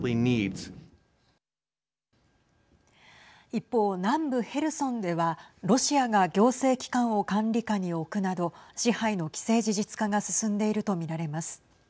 一方、南部ヘルソンではロシアが行政機関を管理下に置くなど支配の既成事実化が進んでいると見られます。